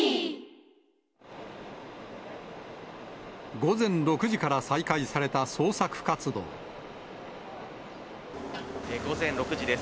午前６時から再開された捜索午前６時です。